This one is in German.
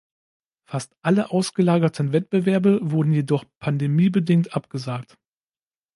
Fast alle ausgelagerten Wettbewerbe wurden jedoch pandemiebedingt abgesagt.